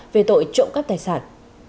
về tội trộm các tài sản